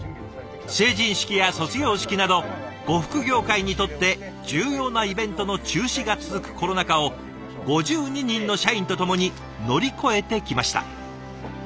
成人式や卒業式など呉服業界にとって重要なイベントの中止が続くコロナ禍を５２人の社員と共に乗り越えてきました。